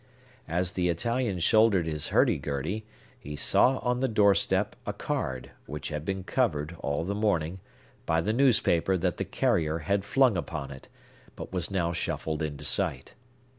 As the Italian shouldered his hurdy gurdy, he saw on the doorstep a card, which had been covered, all the morning, by the newspaper that the carrier had flung upon it, but was now shuffled into sight.